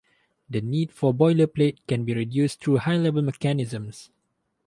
The need for boilerplate can be reduced through high-level mechanisms.